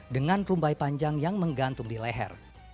dengan rumbai panjang yang menggantung di leher